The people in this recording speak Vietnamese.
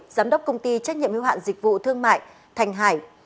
giám đốc công ty trách nhiệm hưu hạn dịch vụ thương mại thành hải